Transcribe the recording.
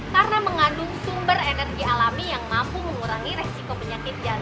karena mengandung sumber energi alami yang mampu mengurangi resiko penyakit jantung